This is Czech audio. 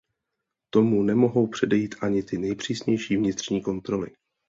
Tomu nemohou předejít ani ty nejpřísnější vnitřní kontroly.